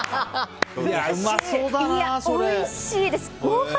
おいしいです！